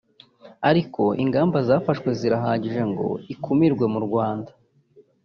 ariko ingamba zafashwe zirahagije ngo ikumirwe mu Rwanda